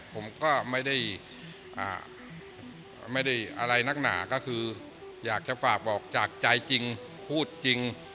ผมก็ไม่ได้อะไรนักหนาก็คืออยากจะฝากบอกจากใจจริงพูดจริง